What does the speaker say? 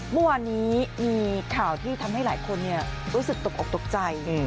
เมื่อวานนี้มีข่าวที่ทำให้หลายคนรู้สึกตกออกตกใจ